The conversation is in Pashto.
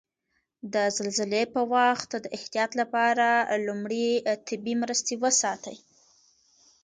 د زلزلې په وخت د احتیاط لپاره لومړي طبي مرستې وساتئ.